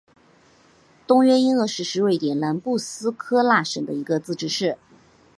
东约因厄市是瑞典南部斯科讷省的一个自治市。